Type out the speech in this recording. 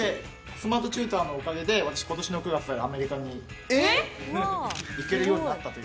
スマートチューターのおかげで私今年の９月からアメリカに行けるようになったという。